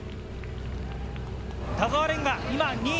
田澤廉が今２位。